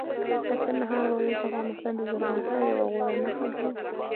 د کندهار ولایت د افغانستان د زرغونتیا یوه غوره نښه ده.